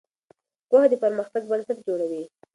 پوهه د پرمختګ بنسټ جوړوي.